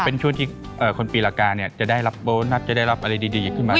เป็นช่วงที่คนปีละกาเนี่ยจะได้รับโบนัสจะได้รับอะไรดีขึ้นมา